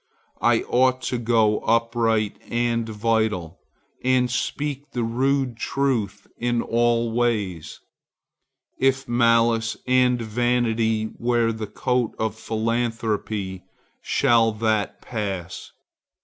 I ought to go upright and vital, and speak the rude truth in all ways. If malice and vanity wear the coat of philanthropy, shall that pass?